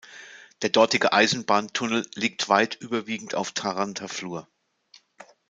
Der dortige Eisenbahntunnel liegt weit überwiegend auf Tharandter Flur.